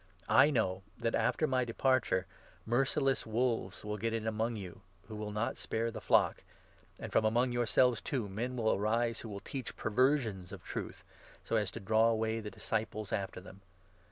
I know that, after my de 29 parture, merciless wolves will get in among you, who will not spare the flock ; and from among yourselves, too, men will 30 arise, who will teach perversions of truth, so as to draw away the disciples after them.